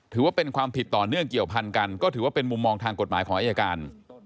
ถือว่าเป็นความผิดต่อเนื่องเกี่ยวพันกันก็ถือว่าเป็นมุมมองทางกฎหมายของอายการ